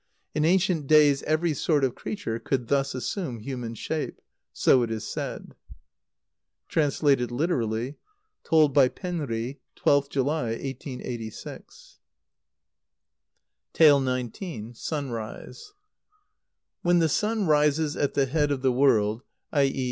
In ancient days every sort of creature could thus assume human shape. So it is said. (Translated literally. Told by Penri, 12th July, 1886.) xix. Sunrise. When the sun rises at the head of the world [_i.e.